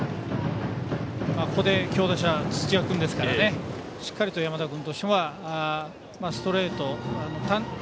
ここで強打者、土屋君ですからしっかりと山田君としてはストレートを。